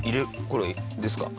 これですか？